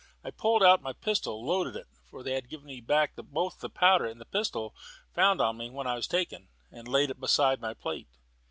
I pulled out my pistol, loaded it (they had given me back both the powder and pistol found on me when I was taken), and laid it beside my plate.